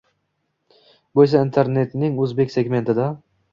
Bu esa internetning o‘zbek segmentida